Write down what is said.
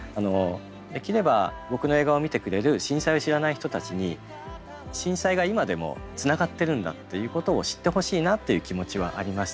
できれば僕の映画を見てくれる震災を知らない人たちに震災が今でもつながってるんだっていうことを知ってほしいなっていう気持ちはありました。